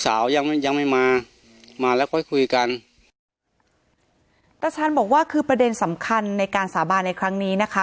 ยังไม่ยังไม่มามาแล้วค่อยคุยกันตาชาญบอกว่าคือประเด็นสำคัญในการสาบานในครั้งนี้นะคะ